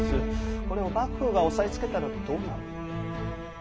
これを幕府が押さえつけたらどうなる？